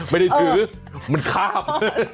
ไม่ได้ถือมันข้าม